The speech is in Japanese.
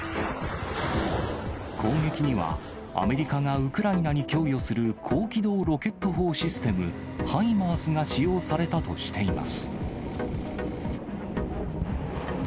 攻撃には、アメリカがウクライナに供与する高機動ロケット砲システム、ハイマースが使用されたとしています。